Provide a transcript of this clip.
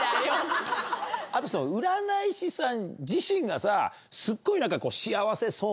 あと占い師さん自身がさすっごい。